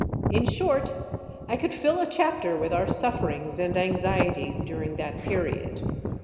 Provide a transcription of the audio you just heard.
In short, I could fill a chapter with our sufferings and anxieties during that period.